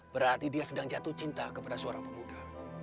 berarti dia sedang jatuh cinta kepada seorang pemuda